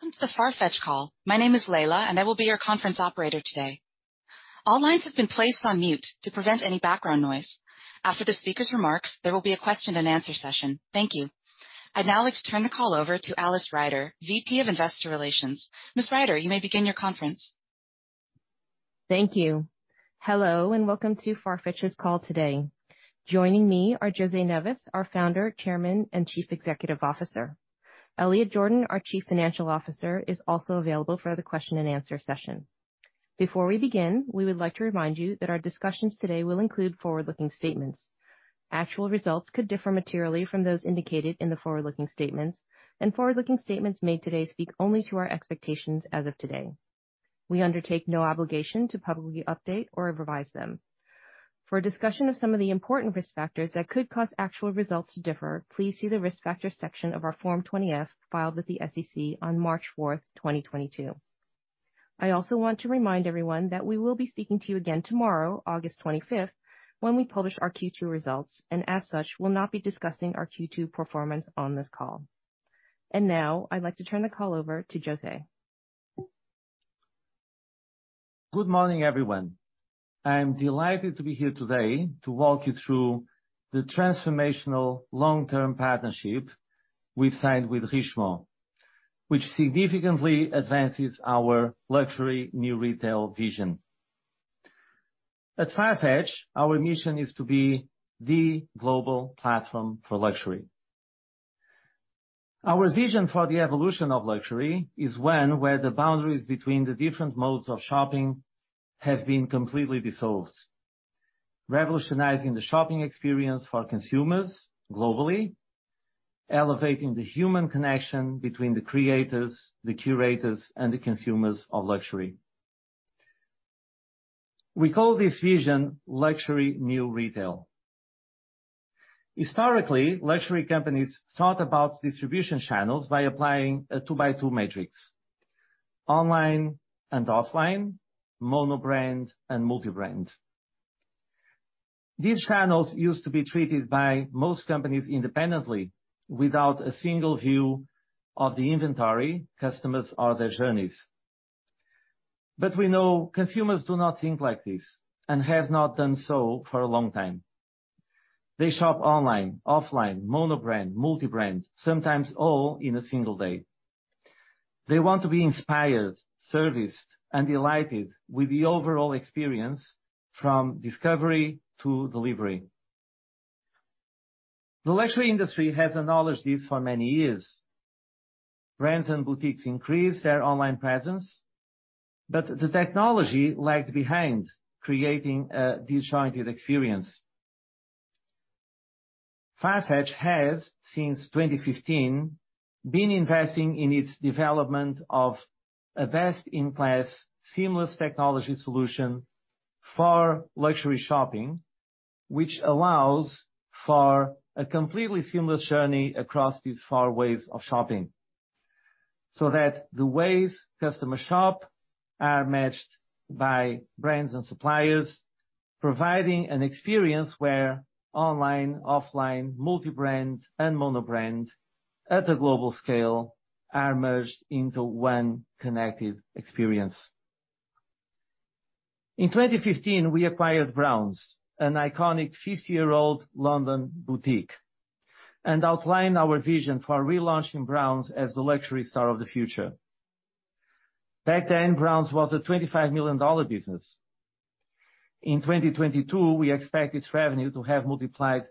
Welcome to the Farfetch call. My name is Layla, and I will be your conference operator today. All lines have been placed on mute to prevent any background noise. After the speaker's remarks, there will be a question and answer session. Thank you. I'd now like to turn the call over to Alice Ryder, VP of Investor Relations. Ms. Ryder, you may begin your conference. Thank you. Hello, and welcome to Farfetch's call today. Joining me are José Neves, our Founder, Chairman, and Chief Executive Officer. Elliot Jordan, our Chief Financial Officer, is also available for the question and answer session. Before we begin, we would like to remind you that our discussions today will include forward-looking statements. Actual results could differ materially from those indicated in the forward-looking statements, and forward-looking statements made today speak only to our expectations as of today. We undertake no obligation to publicly update or revise them. For a discussion of some of the important risk factors that could cause actual results to differ, please see the Risk Factors section of our Form 20-F filed with the SEC on March 4, 2022. I also want to remind everyone that we will be speaking to you again tomorrow, August 25, when we publish our Q2 results, and as such, will not be discussing our Q2 performance on this call. Now, I'd like to turn the call over to José. Good morning, everyone. I am delighted to be here today to walk you through the transformational long-term partnership we've signed with Richemont, which significantly advances our Luxury New Retail vision. At Farfetch, our mission is to be the global platform for luxury. Our vision for the evolution of luxury is one where the boundaries between the different modes of shopping have been completely dissolved, revolutionizing the shopping experience for consumers globally, elevating the human connection between the creators, the curators, and the consumers of luxury. We call this vision Luxury New Retail. Historically, luxury companies thought about distribution channels by applying a two-by-two matrix, online and offline, mono brand and multi-brand. These channels used to be treated by most companies independently without a single view of the inventory, customers, or their journeys. We know consumers do not think like this and have not done so for a long time. They shop online, offline, mono brand, multi-brand, sometimes all in a single day. They want to be inspired, serviced, and delighted with the overall experience from discovery to delivery. The luxury industry has acknowledged this for many years. Brands and boutiques increased their online presence, but the technology lagged behind, creating a disjointed experience. Farfetch has, since 2015, been investing in its development of a best-in-class seamless technology solution for luxury shopping, which allows for a completely seamless journey across these various ways of shopping, so that the ways customers shop are matched by brands and suppliers, providing an experience where online, offline, multi-brand, and mono brand at a global scale are merged into one connected experience. In 2015, we acquired Browns, an iconic 50-year-old London boutique, and outlined our vision for relaunching Browns as the luxury store of the future. Back then, Browns was a $25 million business. In 2022, we expect its revenue to have multiplied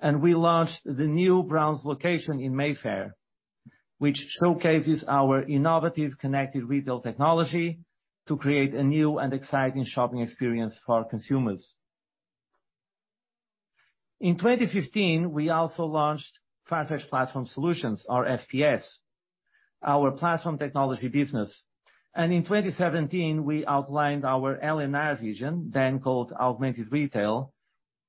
twentyfold. We launched the new Browns location in Mayfair, which showcases our innovative connected retail technology to create a new and exciting shopping experience for our consumers. In 2015, we also launched Farfetch Platform Solutions or FPS, our platform technology business. In 2017, we outlined our LNR vision, then called Augmented Retail,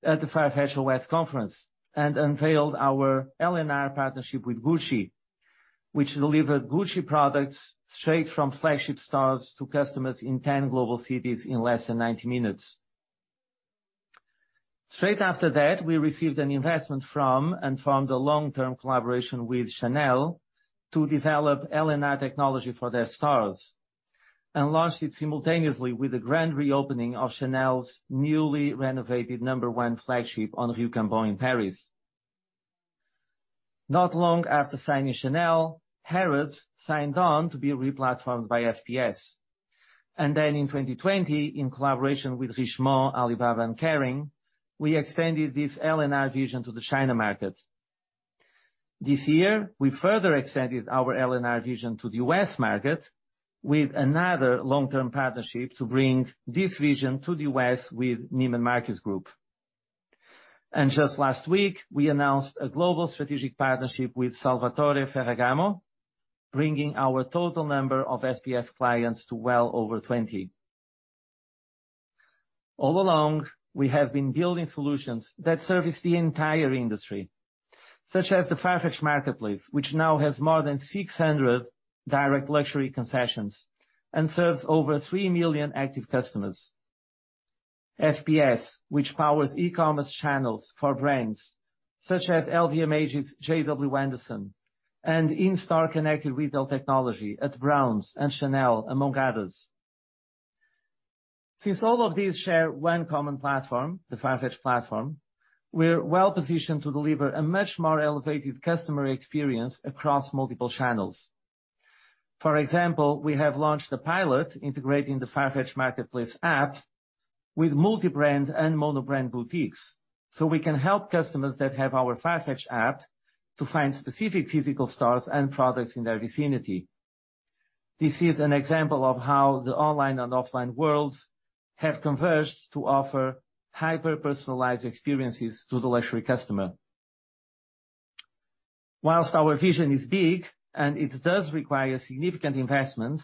at FarfetchOS, and unveiled our LNR partnership with Gucci, which delivered Gucci products straight from flagship stores to customers in 10 global cities in less than 90 minutes. Straight after that, we received an investment from Chanel and found a long-term collaboration with Chanel to develop LNR technology for their stores and launched it simultaneously with the grand reopening of Chanel's newly renovated number one flagship on Rue Cambon in Paris. Not long after signing Chanel, Harrods signed on to be replatformed by FPS. Then in 2020, in collaboration with Richemont, Alibaba, and Kering, we extended this LNR vision to the China market. This year, we further extended our LNR vision to the U.S. market with another long-term partnership to bring this vision to the U.S. with Neiman Marcus Group. Just last week, we announced a global strategic partnership with Salvatore Ferragamo, bringing our total number of FPS clients to well over 20. All along, we have been building solutions that service the entire industry, such as the Farfetch Marketplace, which now has more than 600 direct luxury concessions and serves over 3 million active customers. FPS, which powers e-commerce channels for brands such as LVMH's JW Anderson and in-store connected retail technology at Browns and Chanel, among others. Since all of these share one common platform, the Farfetch platform, we're well-positioned to deliver a much more elevated customer experience across multiple channels. For example, we have launched a pilot integrating the Farfetch marketplace app with multi-brand and mono-brand boutiques, so we can help customers that have our Farfetch app to find specific physical stores and products in their vicinity. This is an example of how the online and offline worlds have converged to offer hyper-personalized experiences to the luxury customer. While our vision is big and it does require significant investments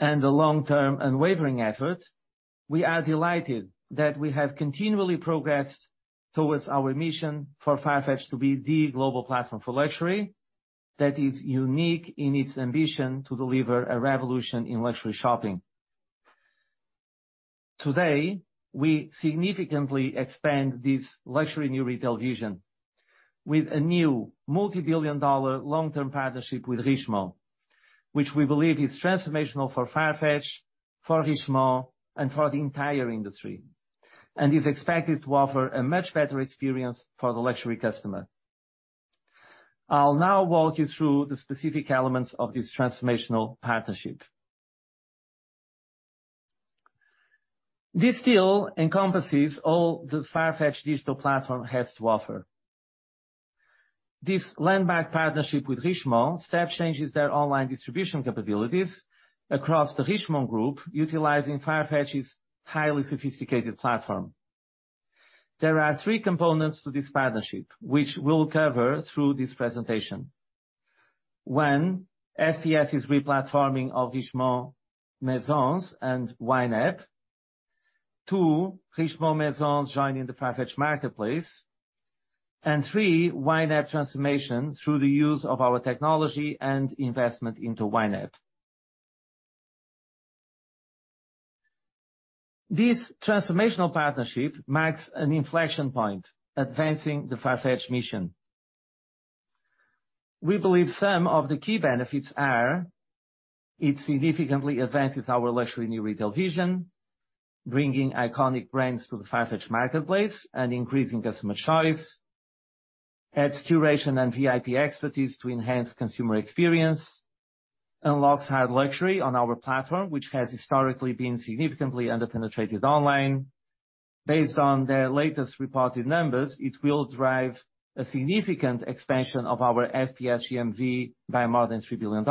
and a long-term unwavering effort, we are delighted that we have continually progressed towards our mission for Farfetch to be the global platform for luxury that is unique in its ambition to deliver a revolution in luxury shopping. Today, we significantly expand this Luxury New Retail vision with a new multi-billion-dollar long-term partnership with Richemont, which we believe is transformational for Farfetch, for Richemont, and for the entire industry, and is expected to offer a much better experience for the luxury customer. I'll now walk you through the specific elements of this transformational partnership. This deal encompasses all the Farfetch digital platform has to offer. This landmark partnership with Richemont step-changes their online distribution capabilities across the Richemont group, utilizing Farfetch's highly sophisticated platform. There are three components to this partnership, which we'll cover through this presentation. One, FPS's re-platforming of Richemont Maisons and YNAP. Two, Richemont Maisons joining the Farfetch Marketplace. Three, YNAP transformation through the use of our technology and investment into YNAP. This transformational partnership marks an inflection point, advancing the Farfetch mission. We believe some of the key benefits are it significantly advances our Luxury New Retail vision, bringing iconic brands to the Farfetch Marketplace and increasing customer choice, adds curation and VIP expertise to enhance consumer experience, unlocks hard luxury on our platform, which has historically been significantly under-penetrated online. Based on their latest reported numbers, it will drive a significant expansion of our FPS GMV by more than $3 billion,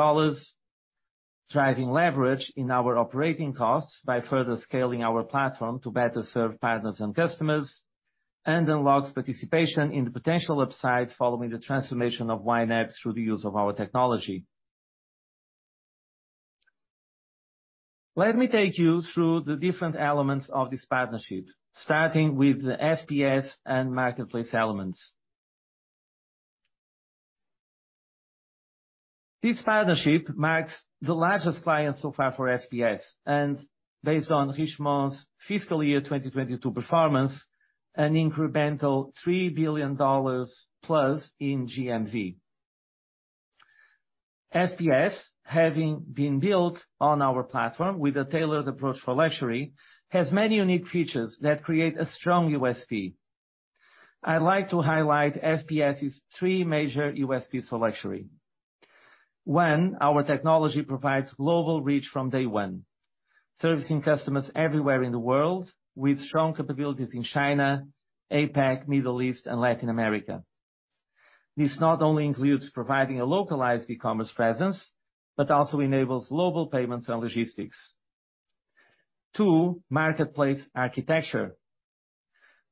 driving leverage in our operating costs by further scaling our platform to better serve partners and customers, and unlocks participation in the potential upside following the transformation of YNAP through the use of our technology. Let me take you through the different elements of this partnership, starting with the FPS and marketplace elements. This partnership marks the largest client so far for FPS and based on Richemont's fiscal year 2022 performance, an incremental $3 billion plus in GMV. FPS, having been built on our platform with a tailored approach for luxury, has many unique features that create a strong USP. I'd like to highlight FPS' three major USPs for luxury. One, our technology provides global reach from day one, servicing customers everywhere in the world with strong capabilities in China, APAC, Middle East, and Latin America. This not only includes providing a localized e-commerce presence, but also enables global payments and logistics. Two, marketplace architecture.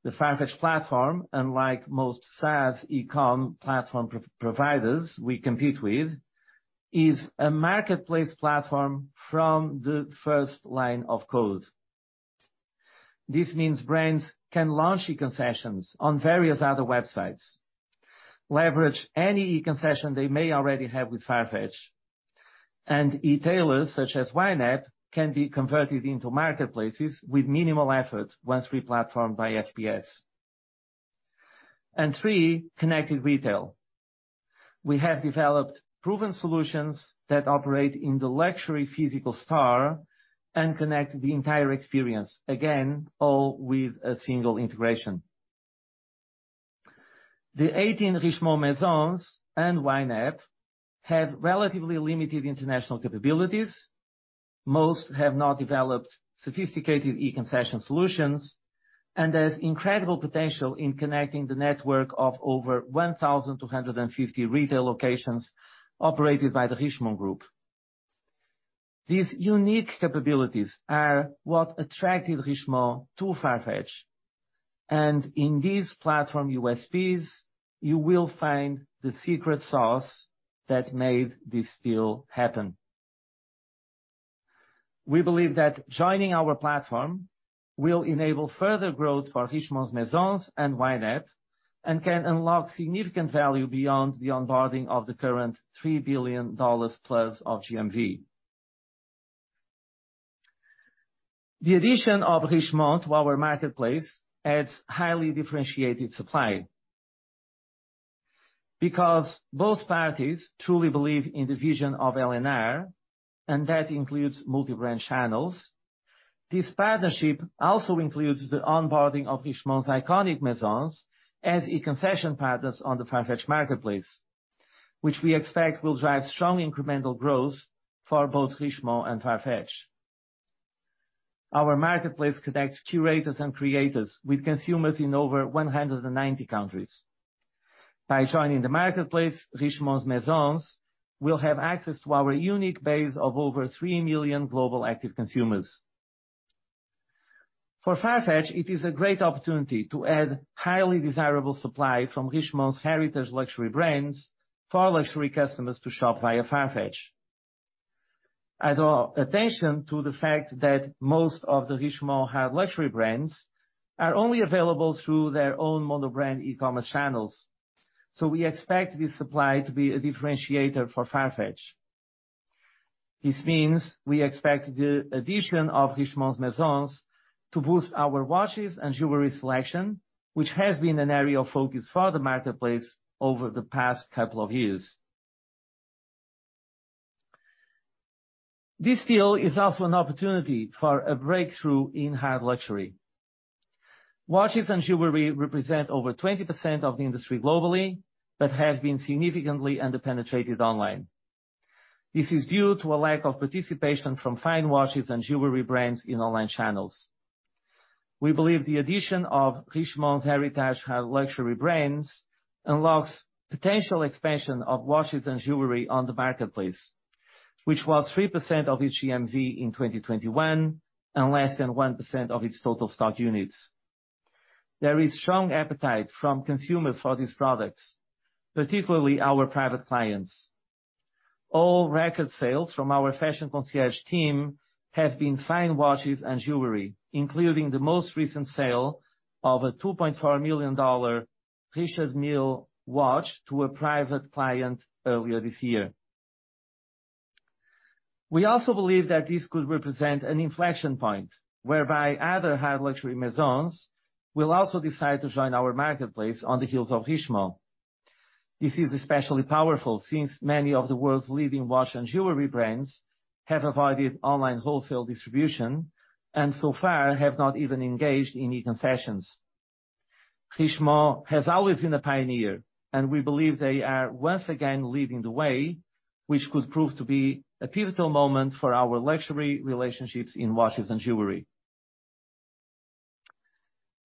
The Farfetch platform, unlike most SaaS e-com platform providers we compete with, is a marketplace platform from the first line of code. This means brands can launch e-concessions on various other websites, leverage any e-concession they may already have with Farfetch, and e-tailers such as YNAP can be converted into marketplaces with minimal effort once re-platformed by FPS. Three, connected retail. We have developed proven solutions that operate in the luxury physical store and connect the entire experience. Again, all with a single integration. The 18 Richemont Maisons and YNAP have relatively limited international capabilities. Most have not developed sophisticated e-concession solutions, and there's incredible potential in connecting the network of over 1,250 retail locations operated by the Richemont Group. These unique capabilities are what attracted Richemont to Farfetch, and in these platform USPs, you will find the secret sauce that made this deal happen. We believe that joining our platform will enable further growth for Richemont's Maisons and YNAP, and can unlock significant value beyond the onboarding of the current $3 billion+ of GMV. The addition of Richemont to our marketplace adds highly differentiated supply. Because both parties truly believe in the vision of LNR, and that includes multi-brand channels, this partnership also includes the onboarding of Richemont's iconic Maisons as e-concession partners on the Farfetch Marketplace, which we expect will drive strong incremental growth for both Richemont and Farfetch. Our marketplace connects curators and creators with consumers in over 190 countries. By joining the marketplace, Richemont's Maisons will have access to our unique base of over 3 million global active consumers. For Farfetch, it is a great opportunity to add highly desirable supply from Richemont's heritage luxury brands for our luxury customers to shop via Farfetch. In addition to the fact that most of the Richemont high luxury brands are only available through their own mono-brand e-commerce channels, so we expect this supply to be a differentiator for Farfetch. This means we expect the addition of Richemont's Maisons to boost our watches and jewelry selection, which has been an area of focus for the marketplace over the past couple of years. This deal is also an opportunity for a breakthrough in high luxury. Watches and jewelry represent over 20% of the industry globally, but have been significantly under-penetrated online. This is due to a lack of participation from fine watches and jewelry brands in online channels. We believe the addition of Richemont's heritage high luxury brands unlocks potential expansion of watches and jewelry on the marketplace, which was 3% of its GMV in 2021 and less than 1% of its total stock units. There is strong appetite from consumers for these products, particularly our private clients. All record sales from our fashion concierge team have been fine watches and jewelry, including the most recent sale of a $2.4 million Richard Mille watch to a private client earlier this year. We also believe that this could represent an inflection point whereby other high luxury Maisons will also decide to join our marketplace on the heels of Richemont. This is especially powerful, since many of the world's leading watch and jewelry brands have avoided online wholesale distribution and so far have not even engaged in e-concessions. Richemont has always been a pioneer, and we believe they are once again leading the way, which could prove to be a pivotal moment for our luxury relationships in watches and jewelry.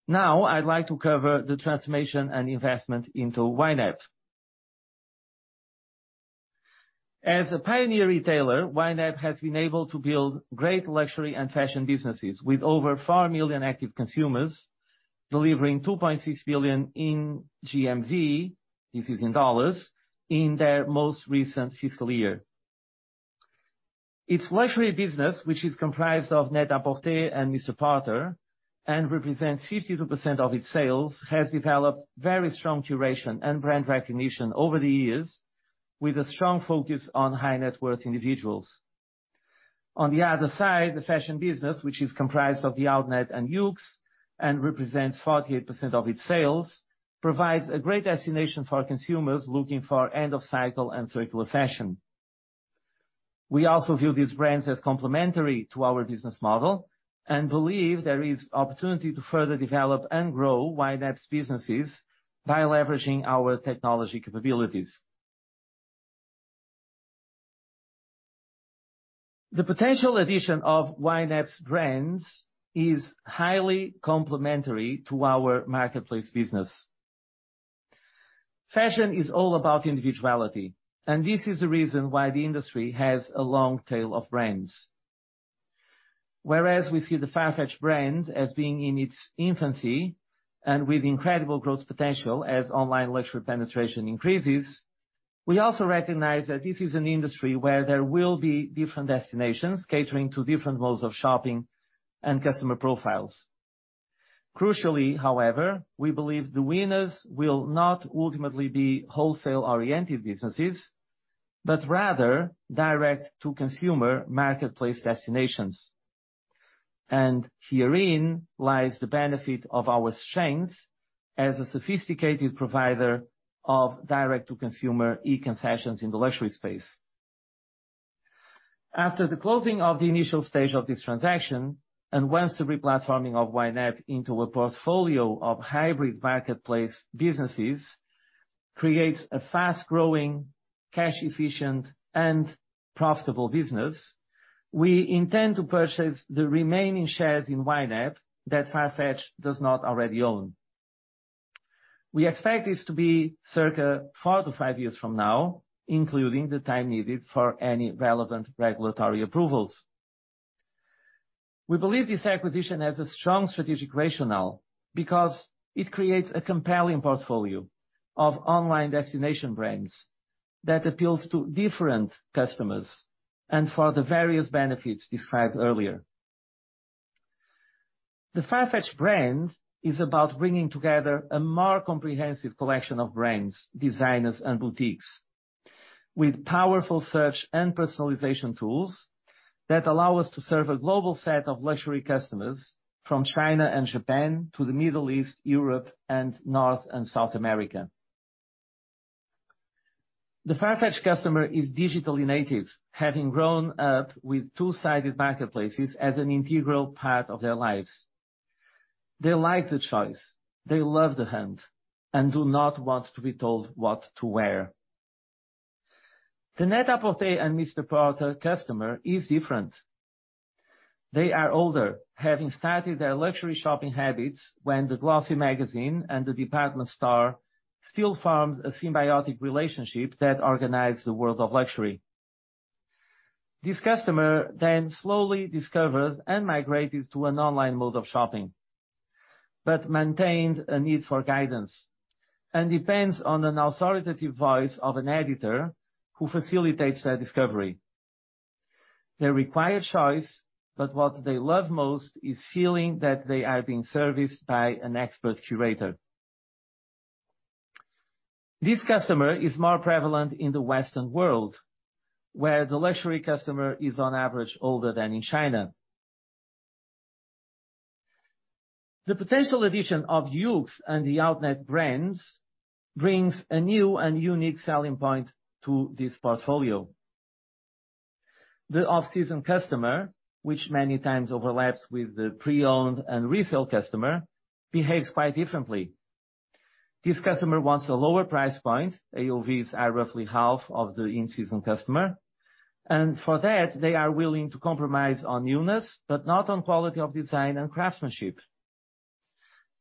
Now I'd like to cover the transformation and investment into YNAP. As a pioneer retailer, YNAP has been able to build great luxury and fashion businesses with over 4 million active consumers, delivering $2.6 billion in GMV, this is in dollars, in their most recent fiscal year. Its luxury business, which is comprised of NET-A-PORTER and MR PORTER, and represents 52% of its sales, has developed very strong curation and brand recognition over the years, with a strong focus on high-net-worth individuals. On the other side, the fashion business, which is comprised of The Outnet and YOOX, and represents 48% of its sales, provides a great destination for consumers looking for end-of-cycle and circular fashion. We also view these brands as complementary to our business model and believe there is opportunity to further develop and grow YNAP's businesses by leveraging our technology capabilities. The potential addition of YNAP's brands is highly complementary to our marketplace business. Fashion is all about individuality, and this is the reason why the industry has a long tail of brands. Whereas we see the Farfetch brand as being in its infancy and with incredible growth potential as online luxury penetration increases, we also recognize that this is an industry where there will be different destinations catering to different modes of shopping and customer profiles. Crucially, however, we believe the winners will not ultimately be wholesale-oriented businesses, but rather direct-to-consumer marketplace destinations. Herein lies the benefit of our strength as a sophisticated provider of direct-to-consumer e-concessions in the luxury space. After the closing of the initial stage of this transaction, and once the replatforming of YNAP into a portfolio of hybrid marketplace businesses creates a fast-growing, cash efficient, and profitable business, we intend to purchase the remaining shares in YNAP that Farfetch does not already own. We expect this to be circa 4-5 years from now, including the time needed for any relevant regulatory approvals. We believe this acquisition has a strong strategic rationale because it creates a compelling portfolio of online destination brands that appeals to different customers and for the various benefits described earlier. The Farfetch brand is about bringing together a more comprehensive collection of brands, designers, and boutiques with powerful search and personalization tools that allow us to serve a global set of luxury customers from China and Japan to the Middle East, Europe, and North and South America. The Farfetch customer is digitally native, having grown up with two-sided marketplaces as an integral part of their lives. They like the choice, they love the hunt, and do not want to be told what to wear. The NET-A-PORTER and MR PORTER customer is different. They are older, having started their luxury shopping habits when the glossy magazine and the department store still formed a symbiotic relationship that organized the world of luxury. This customer then slowly discovered and migrated to an online mode of shopping, but maintained a need for guidance and depends on an authoritative voice of an editor who facilitates their discovery. They require choice, but what they love most is feeling that they are being serviced by an expert curator. This customer is more prevalent in the Western world, where the luxury customer is on average older than in China. The potential addition of YOOX and The Outnet brands brings a new and unique selling point to this portfolio. The off-season customer, which many times overlaps with the pre-owned and resale customer, behaves quite differently. This customer wants a lower price point. AOVs are roughly half of the in-season customer, and for that, they are willing to compromise on newness, but not on quality of design and craftsmanship.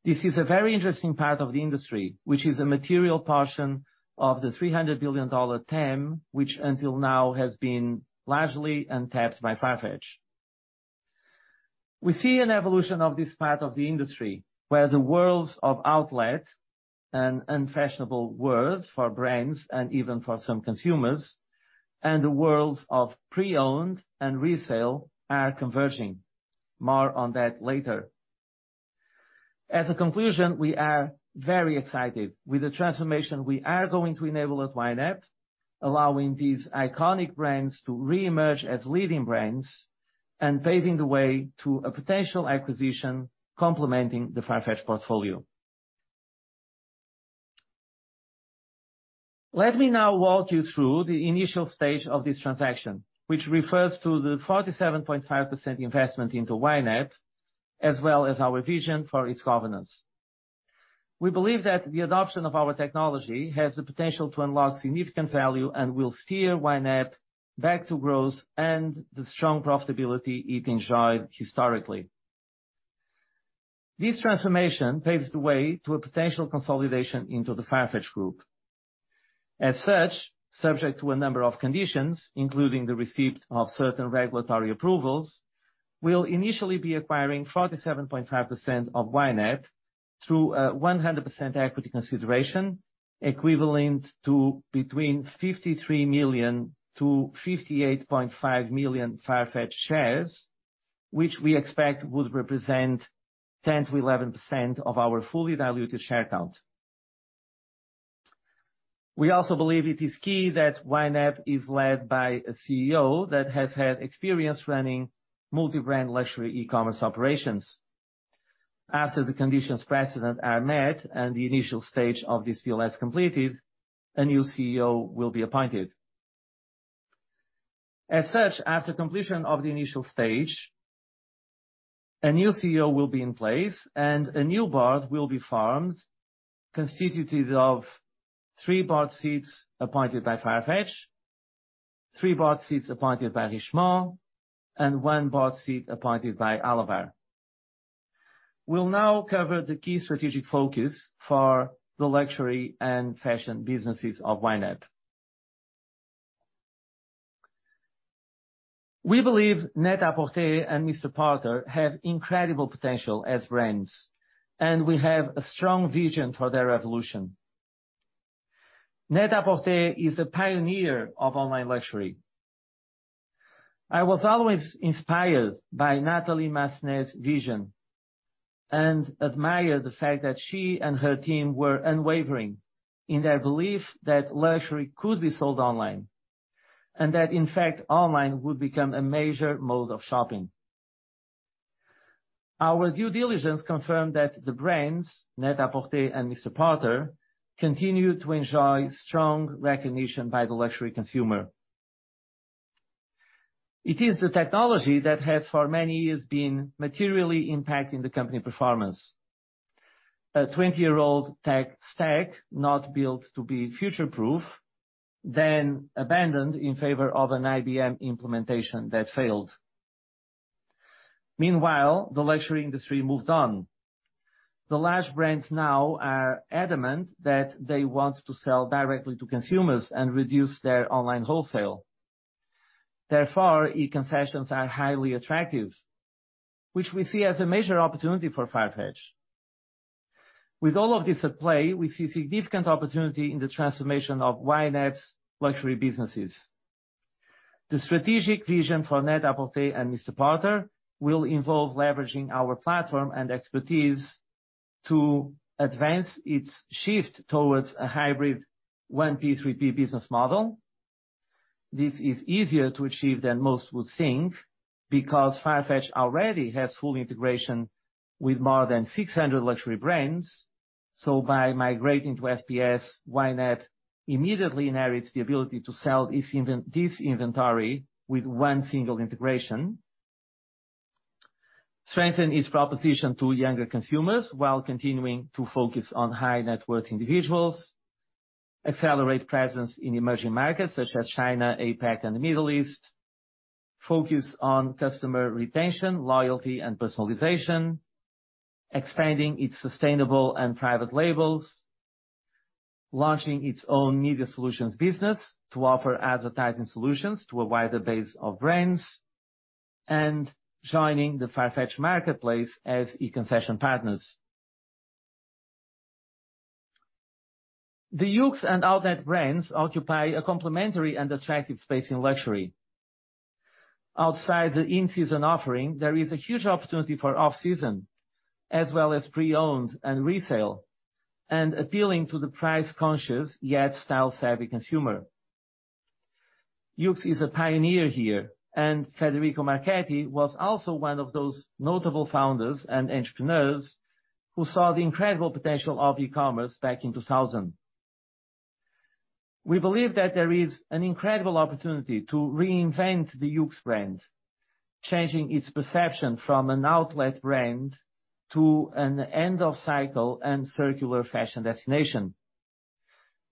This is a very interesting part of the industry, which is a material portion of the $300 billion TAM, which until now has been largely untapped by Farfetch. We see an evolution of this part of the industry where the worlds of outlet and unfashionable world for brands and even for some consumers, and the worlds of pre-owned and resale are converging. More on that later. As a conclusion, we are very excited with the transformation we are going to enable at YNAP, allowing these iconic brands to re-emerge as leading brands and paving the way to a potential acquisition complementing the Farfetch portfolio. Let me now walk you through the initial stage of this transaction, which refers to the 47.5% investment into YNAP, as well as our vision for its governance. We believe that the adoption of our technology has the potential to unlock significant value and will steer YNAP back to growth and the strong profitability it enjoyed historically. This transformation paves the way to a potential consolidation into the Farfetch group. As such, subject to a number of conditions, including the receipt of certain regulatory approvals, we'll initially be acquiring 47.5% of YNAP through a 100% equity consideration equivalent to between 53 million-58.5 million Farfetch shares, which we expect would represent 10%-11% of our fully diluted share count. We also believe it is key that YNAP is led by a CEO that has had experience running multi-brand luxury e-commerce operations. After the conditions precedent are met and the initial stage of this deal is completed, a new CEO will be appointed. As such, after completion of the initial stage, a new CEO will be in place and a new board will be formed, constituted of three board seats appointed by Farfetch, three board seats appointed by Richemont, and one board seat appointed by Alabbar. We'll now cover the key strategic focus for the luxury and fashion businesses of YNAP. We believe NET-A-PORTER and MR PORTER have incredible potential as brands, and we have a strong vision for their evolution. NET-A-PORTER is a pioneer of online luxury. I was always inspired by Natalie Massenet's vision and admire the fact that she and her team were unwavering in their belief that luxury could be sold online, and that in fact, online would become a major mode of shopping. Our due diligence confirmed that the brands, NET-A-PORTER and MR PORTER, continue to enjoy strong recognition by the luxury consumer. It is the technology that has for many years been materially impacting the company performance. A 20-year-old tech stack not built to be future-proof, then abandoned in favor of an IBM implementation that failed. Meanwhile, the luxury industry moved on. The large brands now are adamant that they want to sell directly to consumers and reduce their online wholesale. Therefore, e-concessions are highly attractive, which we see as a major opportunity for Farfetch. With all of this at play, we see significant opportunity in the transformation of YNAP's luxury businesses. The strategic vision for NET-A-PORTER and MR PORTER will involve leveraging our platform and expertise to advance its shift towards a hybrid 1P 3P business model. This is easier to achieve than most would think, because Farfetch already has full integration with more than 600 luxury brands. By migrating to FPS, YNAP immediately inherits the ability to sell this inventory with one single integration. Strengthen its proposition to younger consumers while continuing to focus on high-net-worth individuals. Accelerate presence in emerging markets such as China, APAC, and the Middle East. Focus on customer retention, loyalty, and personalization. Expanding its sustainable and private labels. Launching its own media solutions business to offer advertising solutions to a wider base of brands, and joining the Farfetch marketplace as e-concession partners. The YOOX and The Outnet brands occupy a complementary and attractive space in luxury. Outside the in-season offering, there is a huge opportunity for off-season, as well as pre-owned and resale, and appealing to the price-conscious, yet style-savvy consumer. YOOX is a pioneer here, and Federico Marchetti was also one of those notable founders and entrepreneurs who saw the incredible potential of e-commerce back in 2000. We believe that there is an incredible opportunity to reinvent the YOOX brand, changing its perception from an outlet brand to an end-of-cycle and circular fashion destination.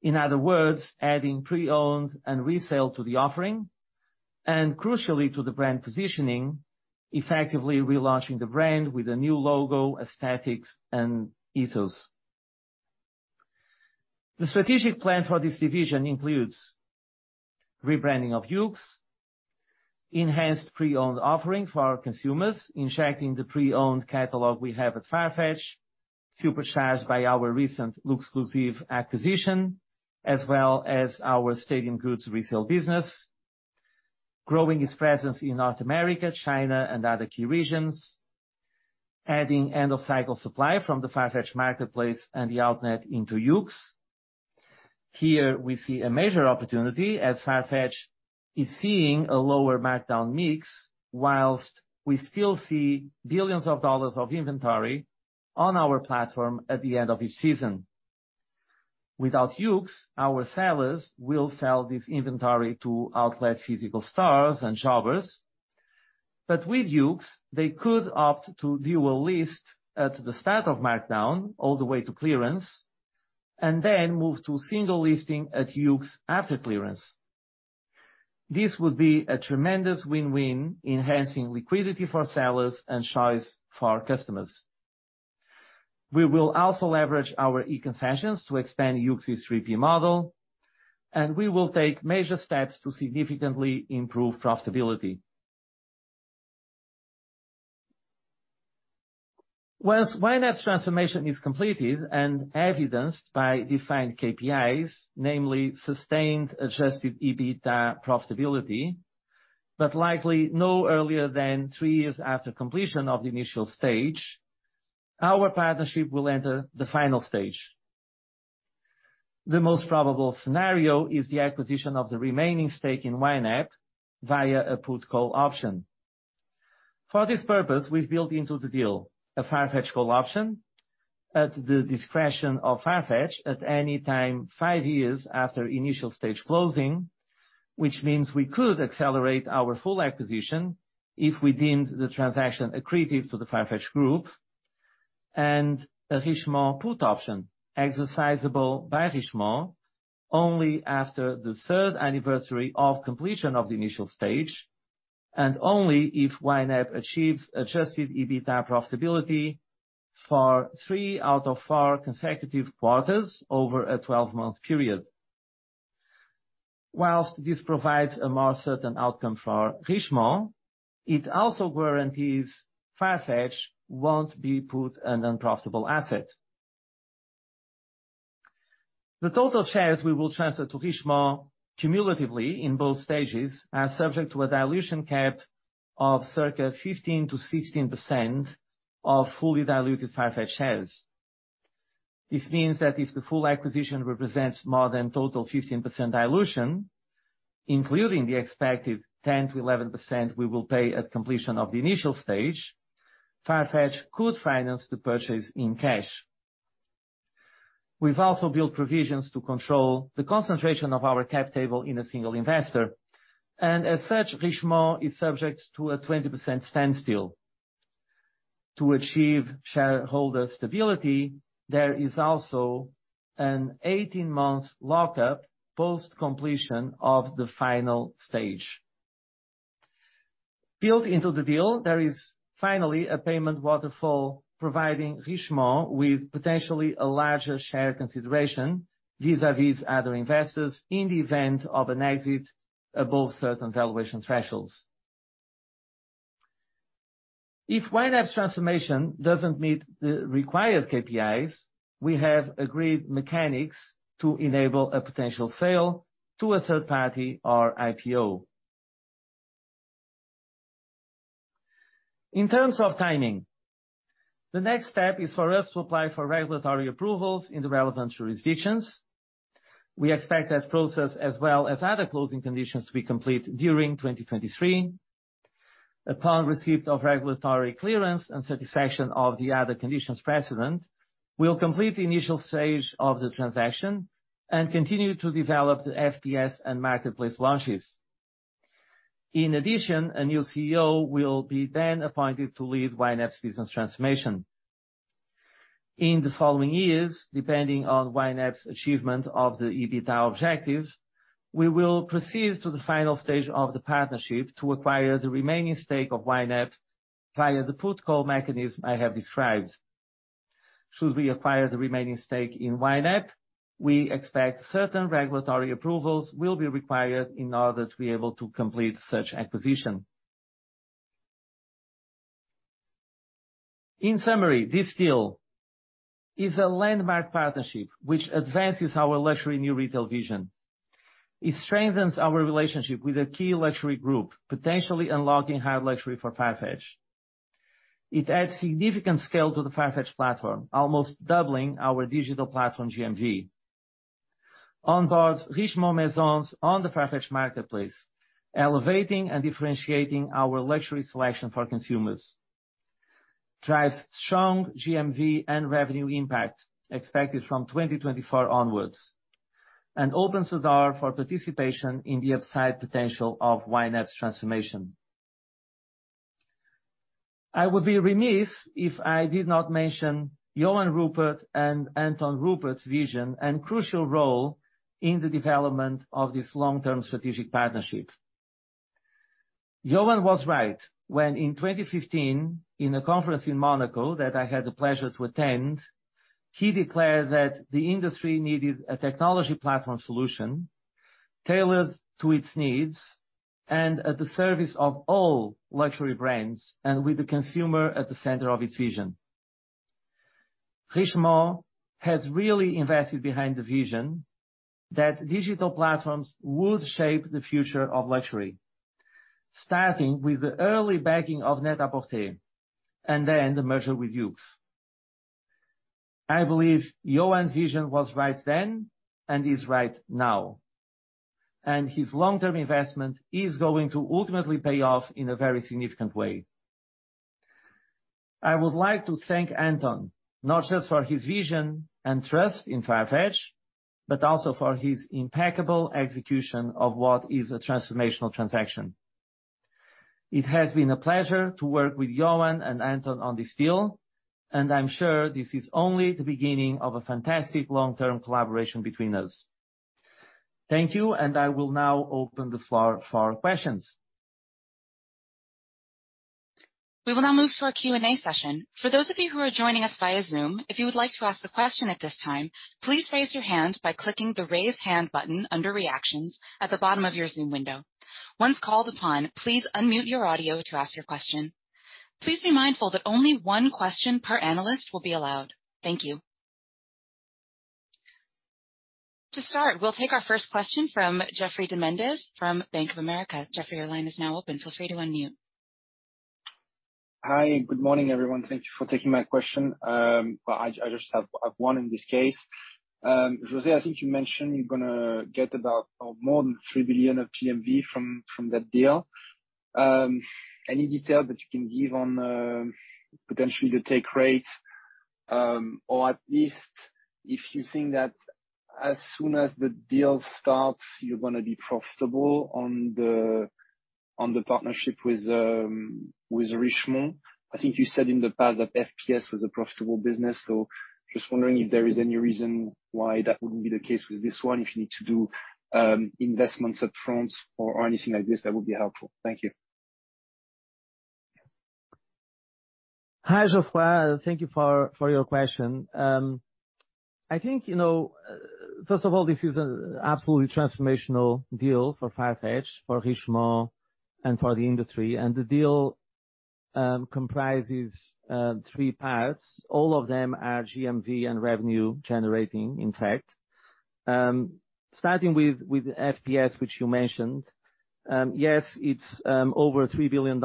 In other words, adding pre-owned and resale to the offering, and crucially to the brand positioning, effectively relaunching the brand with a new logo, aesthetics, and ethos. The strategic plan for this division includes rebranding of YOOX, enhanced pre-owned offering for our consumers, injecting the pre-owned catalog we have at Farfetch, supercharged by our recent LUXCLUSIF acquisition, as well as our Stadium Goods resale business. Growing its presence in North America, China, and other key regions. Adding end-of-cycle supply from the Farfetch Marketplace and The Outnet into YOOX. Here we see a major opportunity as Farfetch is seeing a lower markdown mix while we still see billions of dollars of inventory on our platform at the end of each season. Without YOOX, our sellers will sell this inventory to outlet physical stores and shoppers. But with YOOX, they could opt to dual list at the start of markdown all the way to clearance, and then move to single listing at YOOX after clearance. This would be a tremendous win-win, enhancing liquidity for sellers and choice for our customers. We will also leverage our e-concessions to expand YOOX's 3P model, and we will take major steps to significantly improve profitability. Once YNAP's transformation is completed and evidenced by defined KPIs, namely sustained adjusted EBITDA profitability, but likely no earlier than 3 years after completion of the initial stage, our partnership will enter the final stage. The most probable scenario is the acquisition of the remaining stake in YNAP via a put call option. For this purpose, we've built into the deal a Farfetch call option at the discretion of Farfetch at any time 5 years after initial stage closing, which means we could accelerate our full acquisition if we deemed the transaction accretive to the Farfetch group. A Richemont put option exercisable by Richemont only after the third anniversary of completion of the initial stage, and only if YNAP achieves adjusted EBITDA profitability for 3 out of 4 consecutive quarters over a 12-month period. While this provides a more certain outcome for Richemont, it also guarantees Farfetch won't be left with an unprofitable asset. The total shares we will transfer to Richemont cumulatively in both stages are subject to a dilution cap of circa 15%-16% of fully diluted Farfetch shares. This means that if the full acquisition represents more than total 15% dilution, including the expected 10%-11% we will pay at completion of the initial stage, Farfetch could finance the purchase in cash. We've also built provisions to control the concentration of our cap table in a single investor, and as such, Richemont is subject to a 20% standstill. To achieve shareholder stability, there is also an 18-month lockup post-completion of the final stage. Built into the deal, there is finally a payment waterfall providing Richemont with potentially a larger share consideration vis-a-vis other investors in the event of an exit above certain valuation thresholds. If YNAP's transformation doesn't meet the required KPIs, we have agreed mechanics to enable a potential sale to a third party or IPO. In terms of timing, the next step is for us to apply for regulatory approvals in the relevant jurisdictions. We expect that process as well as other closing conditions to be complete during 2023. Upon receipt of regulatory clearance and satisfaction of the other conditions precedent, we'll complete the initial stage of the transaction and continue to develop the FPS and marketplace launches. In addition, a new CEO will be then appointed to lead YNAP's business transformation. In the following years, depending on YNAP's achievement of the EBITDA objective, we will proceed to the final stage of the partnership to acquire the remaining stake of YNAP via the protocol mechanism I have described. Should we acquire the remaining stake in YNAP, we expect certain regulatory approvals will be required in order to be able to complete such acquisition. In summary, this deal is a landmark partnership which advances our Luxury New Retail vision. It strengthens our relationship with a key luxury group, potentially unlocking higher luxury for Farfetch. It adds significant scale to the Farfetch platform, almost doubling our digital platform GMV. Onboards Richemont Maisons on the Farfetch Marketplace, elevating and differentiating our luxury selection for consumers. Drives strong GMV and revenue impact expected from 2024 onwards, and opens the door for participation in the upside potential of YNAP's transformation. I would be remiss if I did not mention Johann Rupert and Anton Rupert's vision and crucial role in the development of this long-term strategic partnership. Johann was right when in 2015, in a conference in Monaco that I had the pleasure to attend, he declared that the industry needed a technology platform solution tailored to its needs and at the service of all luxury brands, and with the consumer at the center of its vision. Richemont has really invested behind the vision that digital platforms would shape the future of luxury. Starting with the early backing of NET-A-PORTER and then the merger with YOOX. I believe Johann's vision was right then and is right now, and his long-term investment is going to ultimately pay off in a very significant way. I would like to thank Anton, not just for his vision and trust in Farfetch, but also for his impeccable execution of what is a transformational transaction. It has been a pleasure to work with Johann and Anton on this deal, and I'm sure this is only the beginning of a fantastic long-term collaboration between us. Thank you, and I will now open the floor for questions. We will now move to our Q&A session. For those of you who are joining us via Zoom, if you would like to ask a question at this time, please raise your hand by clicking the Raise Hand button under Reactions at the bottom of your Zoom window. Once called upon, please unmute your audio to ask your question. Please be mindful that only one question per analyst will be allowed. Thank you. To start, we'll take our first question from Geoffroy de Mendez from Bank of America. Geoffroy, your line is now open. Feel free to unmute. Hi, good morning, everyone. Thank you for taking my question. I just have one in this case. José, I think you mentioned you're gonna get about or more than 3 billion of GMV from that deal. Any detail that you can give on potentially the take rate or at least if you think that as soon as the deal starts, you're gonna be profitable on the partnership with Richemont. I think you said in the past that FPS was a profitable business. Just wondering if there is any reason why that wouldn't be the case with this one, if you need to do investments up front or anything like this, that would be helpful. Thank you. Hi, Geoffrey. Thank you for your question. I think, you know, first of all, this is an absolutely transformational deal for Farfetch, for Richemont, and for the industry. The deal comprises three parts. All of them are GMV and revenue generating, in fact. Starting with FPS, which you mentioned. Yes, it's over $3 billion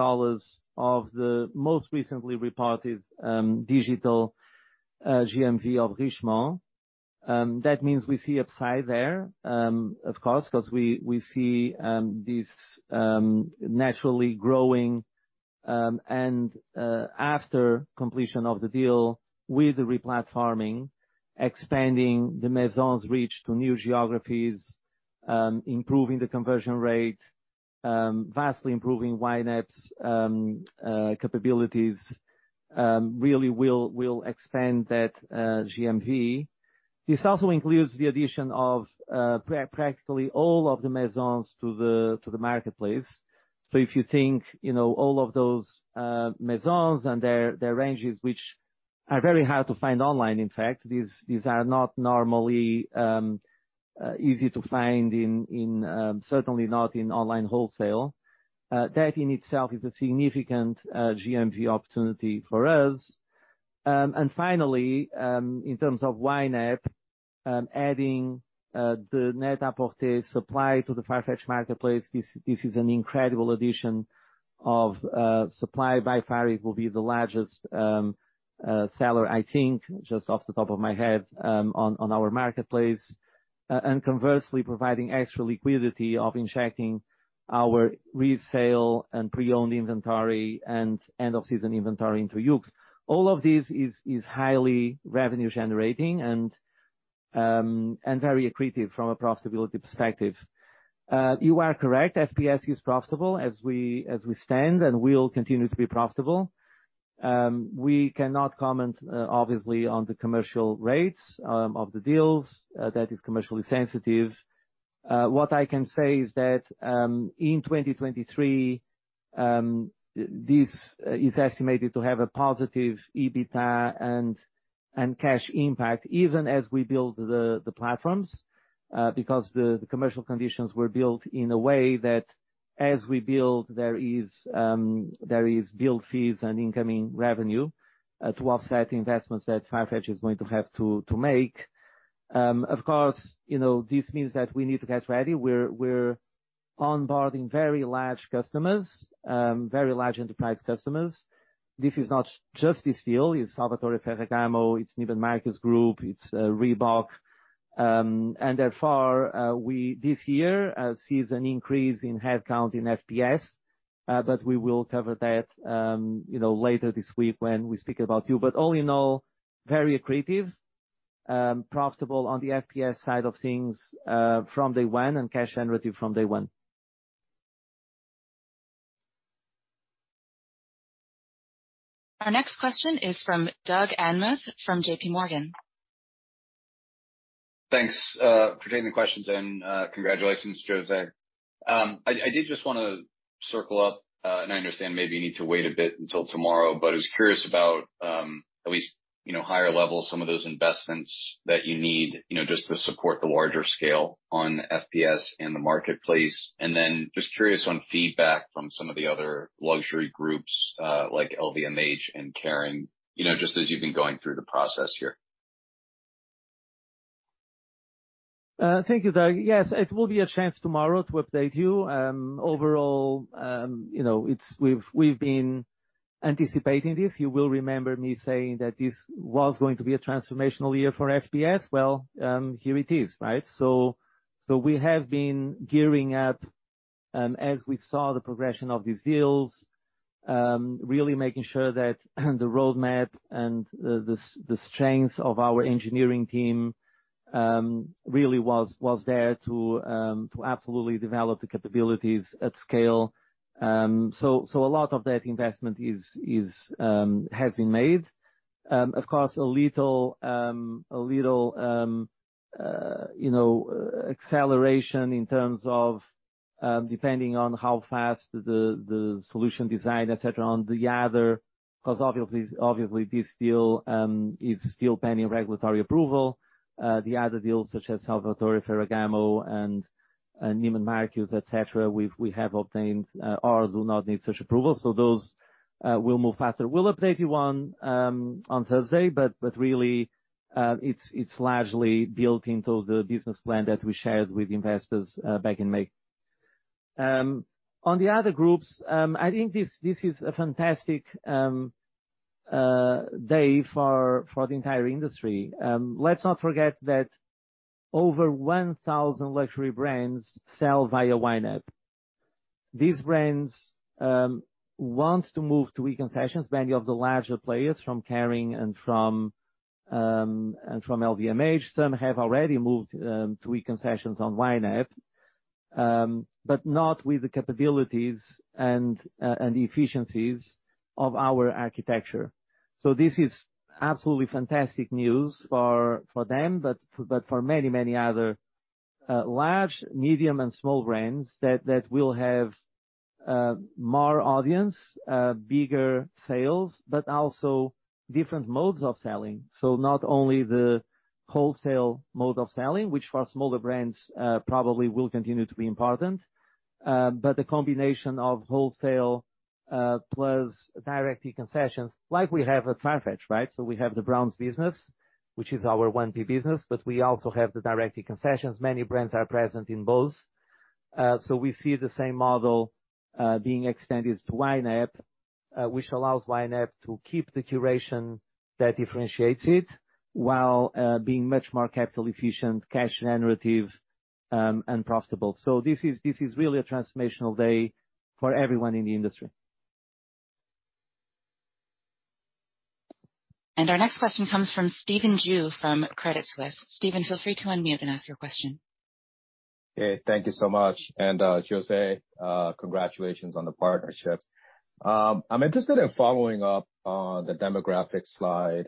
of the most recently reported digital GMV of Richemont. That means we see upside there, of course, 'cause we see this naturally growing. After completion of the deal, with the replatforming, expanding the Maisons' reach to new geographies, improving the conversion rate, vastly improving YNAP's capabilities, really will expand that GMV. This also includes the addition of practically all of the Maisons to the marketplace. If you think, you know, all of those Maisons and their ranges, which are very hard to find online, in fact. These are not normally easy to find in, certainly not in online wholesale. That in itself is a significant GMV opportunity for us. And finally, in terms of YNAP, adding the NET-A-PORTER supply to the Farfetch Marketplace, this is an incredible addition of supply. By far, it will be the largest seller, I think, just off the top of my head, on our marketplace. And conversely, providing extra liquidity of injecting our resale and pre-owned inventory and end of season inventory into YOOX. All of this is highly revenue generating and very accretive from a profitability perspective. You are correct, FPS is profitable as we stand, and will continue to be profitable. We cannot comment, obviously on the commercial rates, of the deals. That is commercially sensitive. What I can say is that, in 2023, this is estimated to have a positive EBITDA and cash impact even as we build the platforms, because the commercial conditions were built in a way that as we build, there is build fees and incoming revenue, to offset the investments that Farfetch is going to have to make. Of course, you know, this means that we need to get ready. We're onboarding very large customers, very large enterprise customers. This is not just this deal, it's Salvatore Ferragamo, it's Neiman Marcus Group, it's Reebok. Therefore, we this year sees an increase in head count in FPS, we will cover that, you know, later this week when we speak about you. All in all, very accretive, profitable on the FPS side of things, from day one, and cash generative from day one. Our next question is from Doug Anmuth from JPMorgan. Thanks for taking the questions and congratulations, José. I did just wanna circle up and I understand maybe you need to wait a bit until tomorrow, but I was curious about at least, you know, higher level, some of those investments that you need, you know, just to support the larger scale on FPS and the marketplace. Then just curious on feedback from some of the other luxury groups like LVMH and Kering, you know, just as you've been going through the process here. Thank you, Doug. Yes, it will be a chance tomorrow to update you. Overall, you know, we've been anticipating this. You will remember me saying that this was going to be a transformational year for FPS. Well, here it is, right? We have been gearing up as we saw the progression of these deals, really making sure that the roadmap and the strength of our engineering team really was there to absolutely develop the capabilities at scale. A lot of that investment has been made. Of course, a little acceleration in terms of depending on how fast the solution design, et cetera, on the other side. Because obviously, this deal is still pending regulatory approval. The other deals such as Salvatore Ferragamo and Neiman Marcus, et cetera, we have obtained or do not need such approval. Those will move faster. We'll update you on Thursday, but really, it's largely built into the business plan that we shared with investors back in May. On the other groups, I think this is a fantastic day for the entire industry. Let's not forget that over 1,000 luxury brands sell via YNAP. These brands want to move to e-concessions, many of the larger players from Kering and from LVMH. Some have already moved to e-concessions on YNAP, but not with the capabilities and the efficiencies of our architecture. This is absolutely fantastic news for them, but for many other large, medium and small brands that will have more audience, bigger sales, but also different modes of selling. Not only the wholesale mode of selling, which for smaller brands probably will continue to be important, but the combination of wholesale plus direct e-concessions, like we have at Farfetch, right? We have the brands business, which is our 1P business, but we also have the direct e-concessions. Many brands are present in both. We see the same model being extended to YNAP, which allows YNAP to keep the curation that differentiates it, while being much more capital efficient, cash generative, and profitable. This is really a transformational day for everyone in the industry. Our next question comes from Stephen Ju from Credit Suisse. Stephen, feel free to unmute and ask your question. Hey, thank you so much. José, congratulations on the partnership. I'm interested in following up on the demographic slide,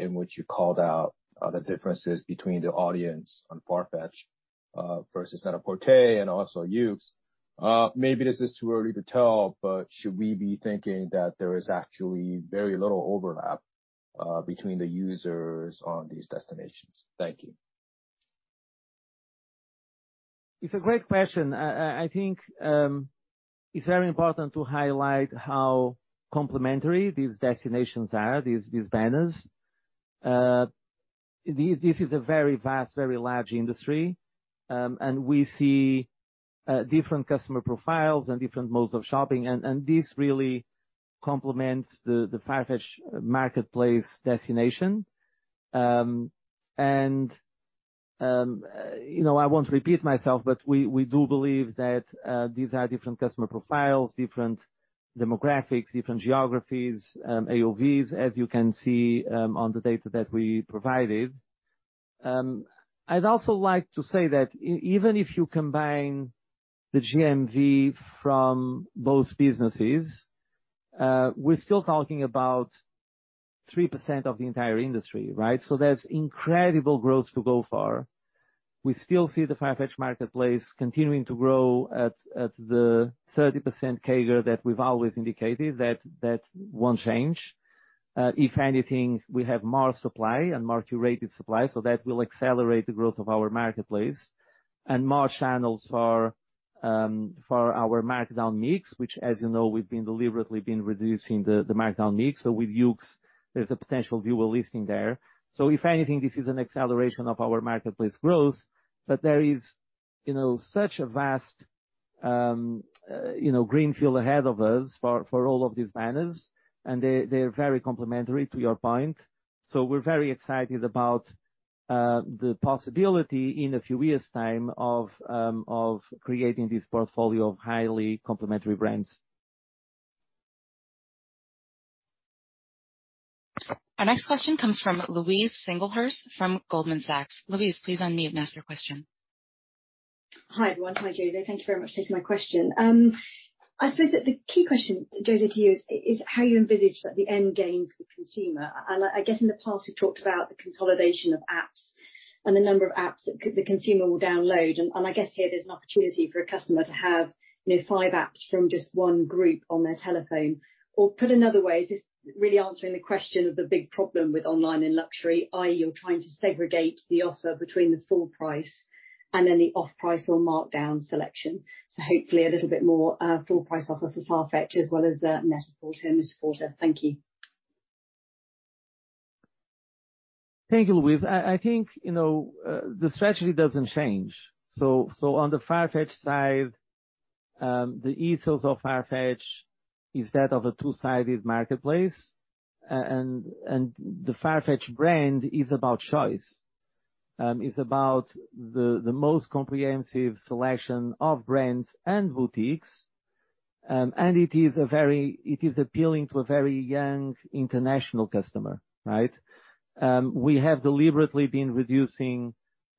in which you called out the differences between the audience on Farfetch. versus NET-A-PORTER and also YOOX. Maybe this is too early to tell, but should we be thinking that there is actually very little overlap between the users on these destinations? Thank you. It's a great question. I think it's very important to highlight how complementary these destinations are, these banners. This is a very vast, very large industry. We see different customer profiles and different modes of shopping and this really complements the Farfetch Marketplace destination. You know, I won't repeat myself, but we do believe that these are different customer profiles, different demographics, different geographies, AOVs, as you can see on the data that we provided. I'd also like to say that even if you combine the GMV from both businesses, we're still talking about 3% of the entire industry, right? There's incredible growth to go far. We still see the Farfetch Marketplace continuing to grow at the 30% CAGR that we've always indicated. That won't change. If anything, we have more supply and more curated supply, so that will accelerate the growth of our marketplace. More channels for our markdown mix, which, as you know, we've been deliberately reducing the markdown mix. With YOOX, there's a potential future listing there. If anything, this is an acceleration of our marketplace growth. There is, you know, such a vast, you know, greenfield ahead of us for all of these banners, and they're very complementary to your point. We're very excited about the possibility in a few years' time of creating this portfolio of highly complementary brands. Our next question comes from Louise Singlehurst from Goldman Sachs. Louise, please unmute and ask your question. Hi, everyone. Hi, José. Thank you very much for taking my question. I suppose that the key question, José, to you is how you envisage, like, the end game for the consumer. I guess in the past, you've talked about the consolidation of apps and the number of apps that the consumer will download. I guess here there's an opportunity for a customer to have, you know, five apps from just one group on their telephone. Or put another way, is this really answering the question of the big problem with online and luxury, i.e. you're trying to segregate the offer between the full price and then the off-price or markdown selection. Hopefully a little bit more full price offer for Farfetch as well as NET-A-PORTER and MR PORTER. Thank you. Thank you, Louise. I think, you know, the strategy doesn't change. On the Farfetch side, the ethos of Farfetch is that of a two-sided marketplace. And the Farfetch brand is about choice. It's about the most comprehensive selection of brands and boutiques. And it is appealing to a very young international customer, right? We have deliberately been reducing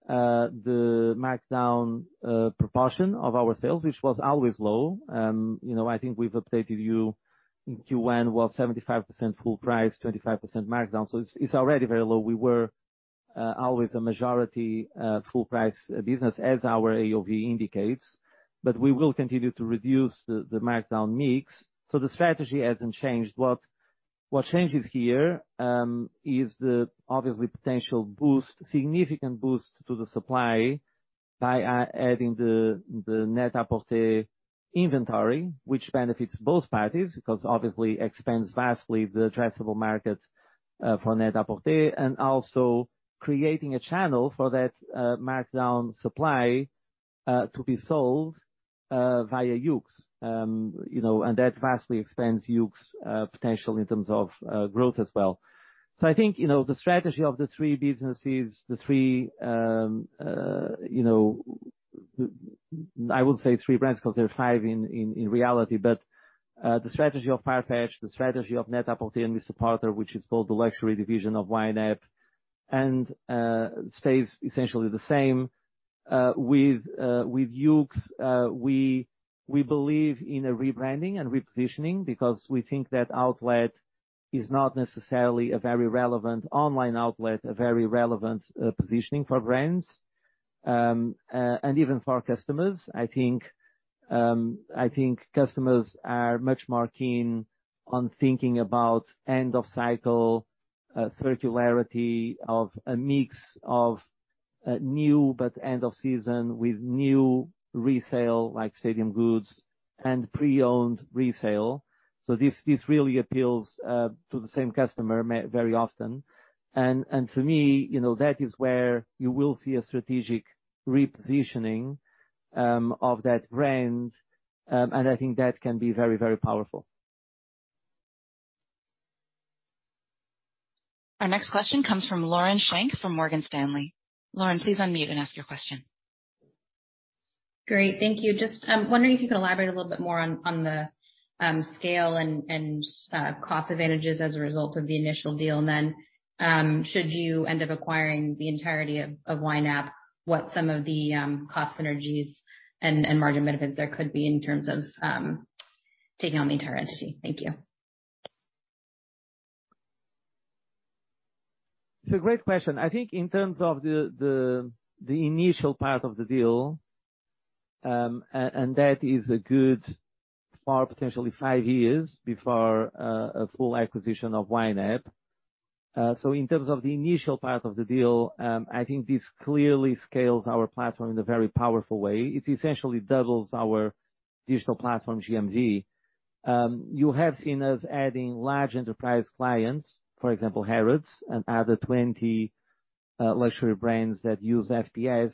the markdown proportion of our sales, which was always low. You know, I think we've updated you in Q1 was 75% full price, 25% markdown, so it's already very low. We were always a majority full price business as our AOV indicates, but we will continue to reduce the markdown mix. The strategy hasn't changed. What changes here is the obviously potential boost, significant boost to the supply by adding the NET-A-PORTER inventory, which benefits both parties because obviously expands vastly the addressable market for NET-A-PORTER, and also creating a channel for that markdown supply to be sold via YOOX. You know, and that vastly expands YOOX's potential in terms of growth as well. I think you know the strategy of the three businesses, the three. I won't say three brands because they're five in reality, but the strategy of Farfetch, the strategy of NET-A-PORTER and MR PORTER, which is called the luxury division of YNAP, and stays essentially the same. With YOOX, we believe in a rebranding and repositioning because we think that outlet is not necessarily a very relevant online outlet positioning for brands. Even for our customers. I think customers are much more keen on thinking about end-of-cycle circularity of a mix of new but end of season with new resale like Stadium Goods and pre-owned resale. This really appeals to the same customer very often. To me, you know, that is where you will see a strategic repositioning of that brand. I think that can be very powerful. Our next question comes from Lauren Schenk from Morgan Stanley. Lauren, please unmute and ask your question. Great. Thank you. Just wondering if you could elaborate a little bit more on the scale and cost advantages as a result of the initial deal. Then, should you end up acquiring the entirety of YNAP, what some of the cost synergies and margin benefits there could be in terms of taking on the entire entity. Thank you. It's a great question. I think in terms of the initial part of the deal, and that is a good 4, potentially 5 years before a full acquisition of YNAP. In terms of the initial part of the deal, I think this clearly scales our platform in a very powerful way. It essentially doubles our digital platform GMV. You have seen us adding large enterprise clients, for example, Harrods and other 20 luxury brands that use FPS.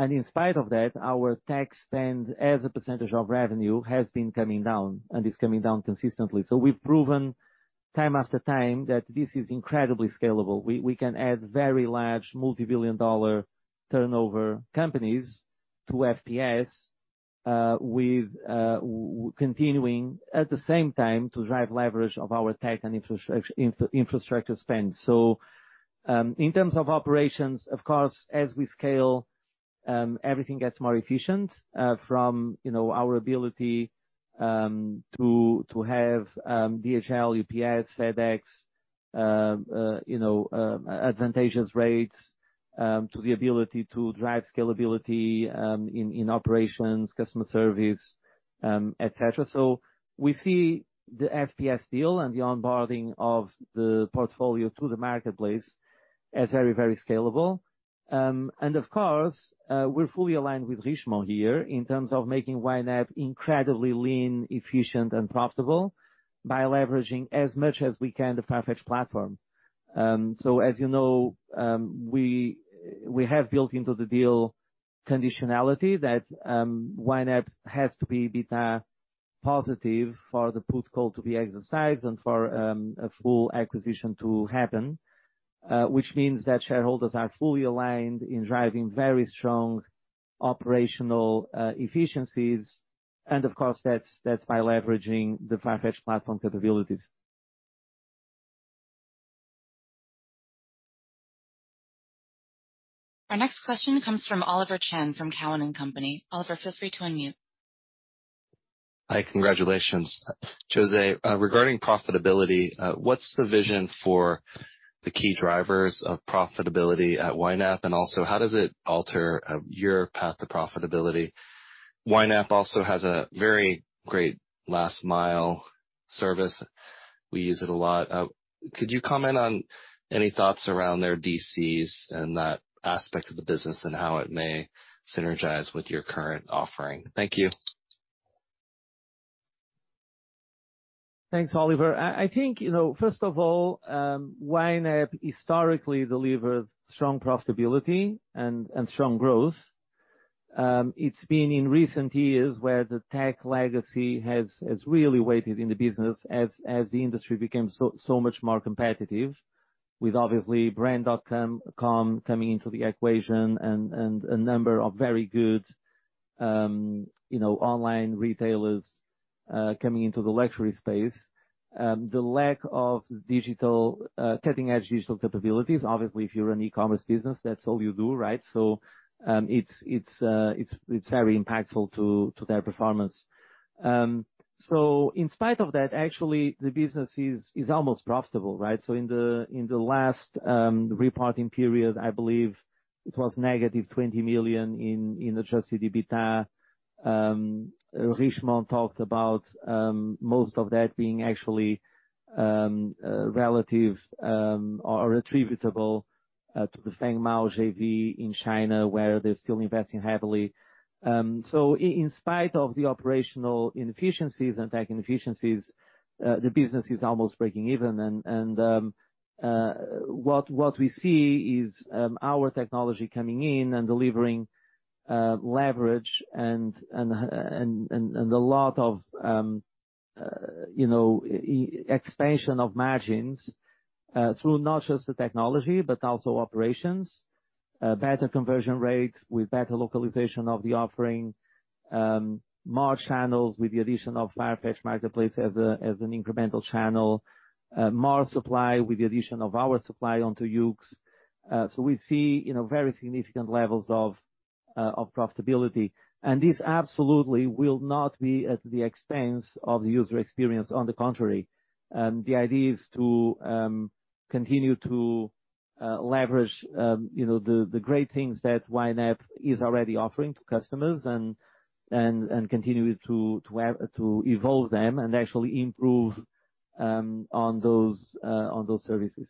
In spite of that, our tech spend as a percentage of revenue has been coming down and is coming down consistently. We've proven time after time that this is incredibly scalable. We can add very large multi-billion dollar turnover companies to FPS, with continuing at the same time to drive leverage of our tech and infrastructure spend. In terms of operations, of course, as we scale, everything gets more efficient, from, you know, our ability to have DHL, UPS, FedEx, you know, advantageous rates, to the ability to drive scalability in operations, customer service, et cetera. We see the FPS deal and the onboarding of the portfolio to the marketplace as very, very scalable. Of course, we're fully aligned with Richemont here in terms of making YNAP incredibly lean, efficient and profitable by leveraging as much as we can the Farfetch platform. As you know, we have built into the deal conditionality that YNAP has to be EBITDA positive for the put call to be exercised and for a full acquisition to happen, which means that shareholders are fully aligned in driving very strong operational efficiencies. Of course, that's by leveraging the Farfetch platform capabilities. Our next question comes from Oliver Chen from Cowen & Company. Oliver, feel free to unmute. Hi. Congratulations. José, regarding profitability, what's the vision for the key drivers of profitability at YNAP? How does it alter your path to profitability? YNAP also has a very great last-mile service. We use it a lot. Could you comment on any thoughts around their DCs and that aspect of the business and how it may synergize with your current offering? Thank you. Thanks, Oliver. I think, you know, first of all, YNAP historically delivered strong profitability and strong growth. It's been in recent years where the tech legacy has really weighed in the business as the industry became so much more competitive with obviously brand.com coming into the equation and a number of very good, you know, online retailers coming into the luxury space. The lack of cutting-edge digital capabilities, obviously if you're an e-commerce business, that's all you do, right? It's very impactful to their performance. In spite of that, actually the business is almost profitable, right? In the last reporting period, I believe it was -20 million in adjusted EBITDA. Richemont talked about most of that being actually relative or attributable to the Feng Mao JV in China where they're still investing heavily. In spite of the operational inefficiencies and tech inefficiencies, the business is almost breaking even. What we see is our technology coming in and delivering leverage and a lot of, you know, expansion of margins through not just the technology but also operations. Better conversion rates with better localization of the offering. More channels with the addition of Farfetch Marketplace as an incremental channel. More supply with the addition of our supply onto YOOX. We see, you know, very significant levels of profitability, and this absolutely will not be at the expense of the user experience. On the contrary, the idea is to continue to leverage, you know, the great things that YNAP is already offering to customers and continue to evolve them and actually improve on those services.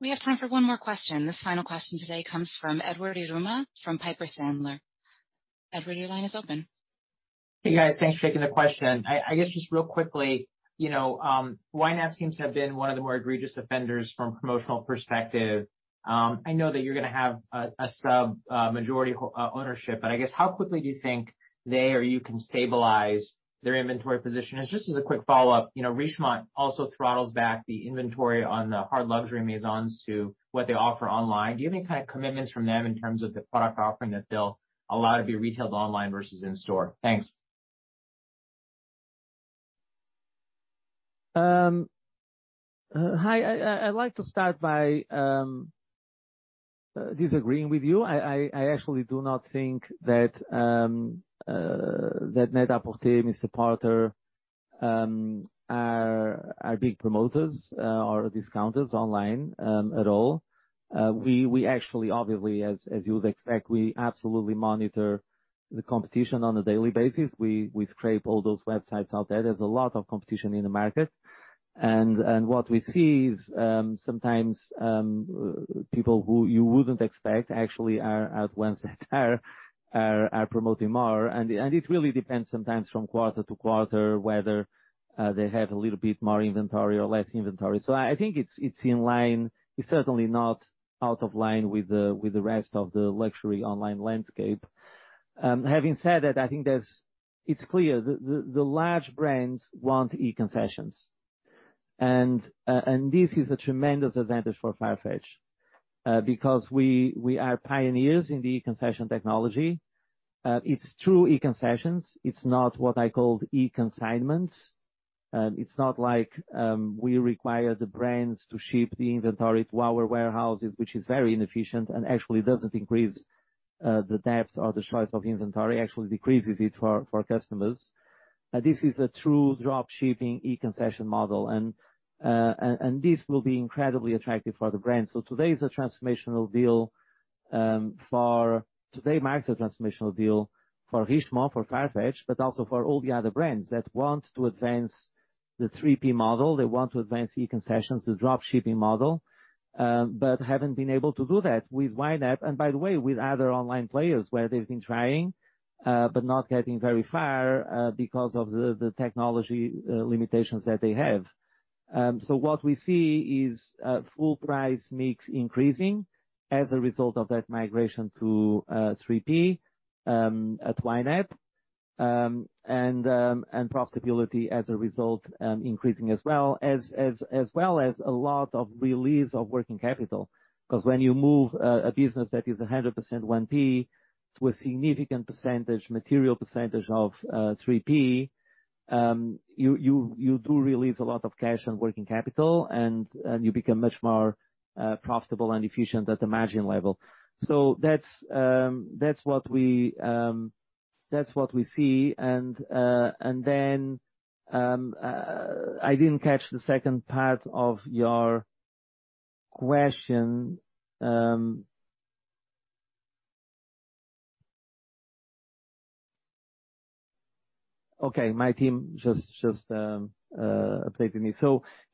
We have time for one more question. This final question today comes from Edward Yruma from Piper Sandler. Edward, your line is open. Hey, guys. Thanks for taking the question. I guess just real quickly, you know, YNAP seems to have been one of the more egregious offenders from a promotional perspective. I know that you're gonna have a sub-majority ownership, but I guess how quickly do you think they or you can stabilize their inventory position? Just as a quick follow-up, you know, Richemont also throttles back the inventory on the hard luxury Maisons to what they offer online. Do you have any kind of commitments from them in terms of the product offering that they'll allow to be retailed online versus in store? Thanks. Hi. I'd like to start by disagreeing with you. I actually do not think that NET-A-PORTER, MR PORTER, are big promoters or discounters online at all. We actually obviously, as you would expect, absolutely monitor the competition on a daily basis. We scrape all those websites out there. There's a lot of competition in the market. What we see is sometimes people who you wouldn't expect actually are the ones that are promoting more. It really depends sometimes from quarter to quarter whether they have a little bit more inventory or less inventory. I think it's in line. It's certainly not out of line with the rest of the luxury online landscape. Having said that, I think there's It's clear the large brands want e-concessions. This is a tremendous advantage for Farfetch, because we are pioneers in the e-concession technology. It's true e-concessions, it's not what I call e-consignments. It's not like we require the brands to ship the inventory to our warehouses, which is very inefficient and actually doesn't increase the depth or the choice of inventory. Actually decreases it for customers. This is a true dropshipping e-concession model. This will be incredibly attractive for the brand. Today marks a transformational deal for Richemont, for Farfetch, but also for all the other brands that want to advance the 3P model. They want to advance e-concessions, the dropshipping model, but haven't been able to do that with YNAP. By the way, with other online players where they've been trying, but not getting very far, because of the technology limitations that they have. What we see is full price mix increasing as a result of that migration to 3P at YNAP, and profitability as a result increasing as well as a lot of release of working capital. Because when you move a business that is 100% 1P to a significant percentage, material percentage of 3P, you do release a lot of cash on working capital, and you become much more profitable and efficient at the margin level. That's what we see. I didn't catch the second part of your question. Okay. My team just updated me.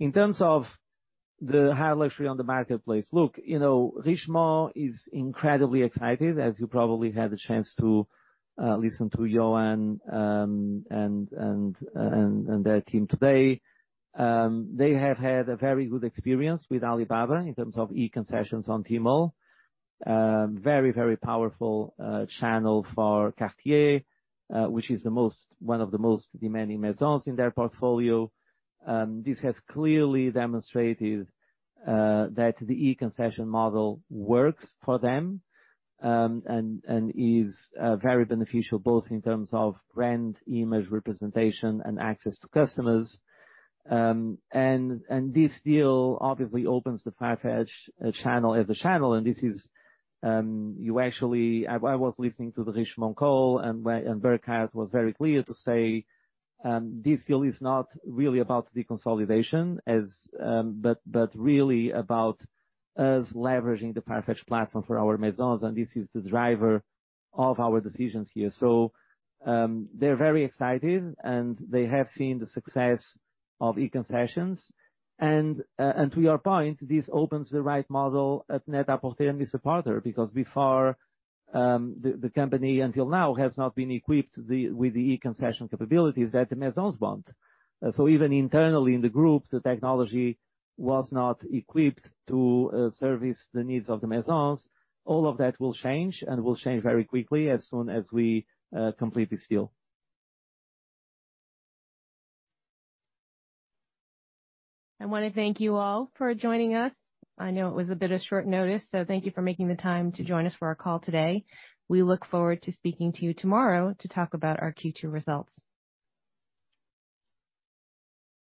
In terms of the high luxury on the marketplace. Look, you know, Richemont is incredibly excited, as you probably had the chance to listen to Johann and their team today. They have had a very good experience with Alibaba in terms of e-concessions on Tmall. Very powerful channel for Cartier, which is one of the most demanding Maisons in their portfolio. This has clearly demonstrated that the e-concession model works for them and is very beneficial both in terms of brand image representation and access to customers. This deal obviously opens the Farfetch channel as a channel, and this is, you actually... I was listening to the Richemont call, and Burkhart was very clear to say, this deal is not really about the consolidation, but really about us leveraging the Farfetch platform for our maisons, and this is the driver of our decisions here. They're very excited, and they have seen the success of e-concessions. To your point, this opens the right model at NET-A-PORTER and MR PORTER, because before, the company until now has not been equipped with the e-concession capabilities that the maisons want. Even internally in the group, the technology was not equipped to service the needs of the maisons. All of that will change and will change very quickly as soon as we complete this deal. I wanna thank you all for joining us. I know it was a bit of short notice, so thank you for making the time to join us for our call today. We look forward to speaking to you tomorrow to talk about our Q2 results.